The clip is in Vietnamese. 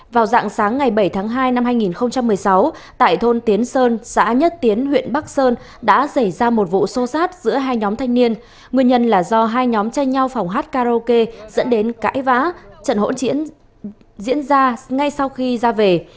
vào dạng sáng ngày bảy tháng hai năm hai nghìn một mươi sáu tại thôn tiến sơn xã nhất tiến huyện bắc sơn đã xảy ra một vụ xô xát giữa hai nhóm thanh niên nguyên nhân là do hai nhóm tranh nhau phòng hát karaoke dẫn đến cãi vã trận hỗn chiến diễn ra ngay sau khi ra về